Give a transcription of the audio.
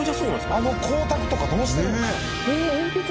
あの光沢とかどうしてるんですか？